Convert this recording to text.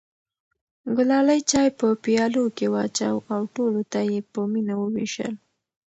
ګلالۍ چای په پیالو کې واچوه او ټولو ته یې په مینه وویشل.